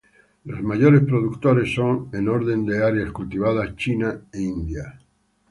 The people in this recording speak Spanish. Los mayores productores son, en orden de áreas cultivadas, China, e India.